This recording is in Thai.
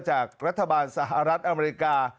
จากรัฐบาลสหรัฐอเมริกา